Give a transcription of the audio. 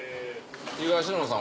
東野さん